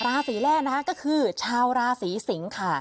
ราศีแรกนะคะก็คือชาวราศีสิงค่ะ